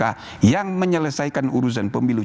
yang menyelesaikan urusan pemilu